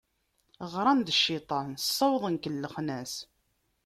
Ɣran d cciṭan, sawḍen kellxen-as.